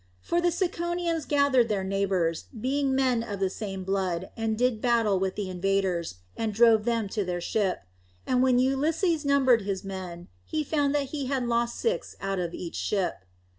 For the Ciconians gathered their neighbours, being men of the same blood, and did battle with the invaders, and drove them to their ship. And when Ulysses numbered his men, he found that he had lost six out of each ship.